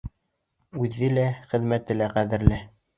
Үҙе лә, хеҙмәте лә ҡәҙерле.